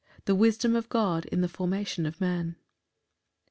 The wisdom of God in the formation of man.